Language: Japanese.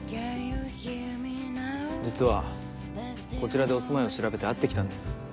実はこちらでお住まいを調べて会ってきたんです。